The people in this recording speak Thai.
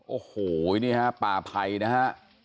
โอ้โหนี่ฮะป่าไพรนะฮะ